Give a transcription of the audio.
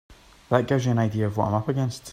That gives you an idea of what I'm up against.